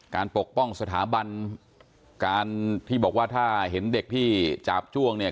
ปกป้องสถาบันการที่บอกว่าถ้าเห็นเด็กที่จาบจ้วงเนี่ย